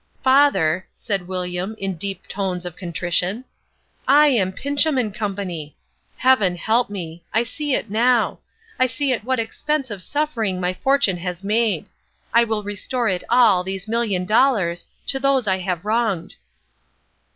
"Father," said William, in deep tones of contrition, "I am Pinchem & Co. Heaven help me! I see it now. I see at what expense of suffering my fortune was made. I will restore it all, these million dollars, to those I have wronged."